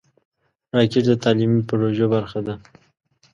راکټ د تعلیمي پروژو برخه ده